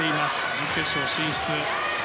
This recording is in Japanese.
準決勝進出。